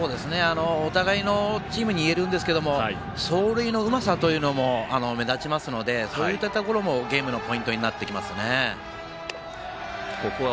お互いのチームに言えるんですけど走塁のうまさというのも目立ちますのでそういったところもゲームのポイントになってきますね。